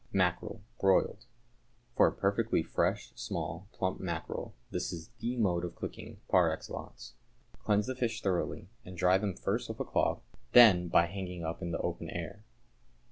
=Mackerel, Broiled.= For a perfectly fresh, small, plump mackerel, this is the mode of cooking par excellence. Cleanse the fish thoroughly, and dry them first with a cloth, then by hanging up in the open air.